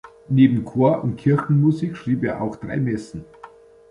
Neben Chor- und Kirchenmusik schrieb er auch drei Messen.